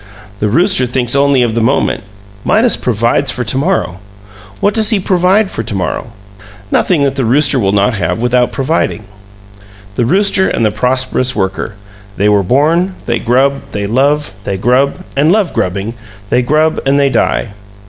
The rooster thinks only of the moment; Midas provides for to morrow. What does he provide for to morrow? Nothing that the rooster will not have without providing. The rooster and the prosperous worker: they are born, they grub, they love; they grub and love grubbing; they grub and they die.